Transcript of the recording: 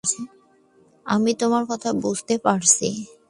আমি তোমার কথা বুঝতে পারছি!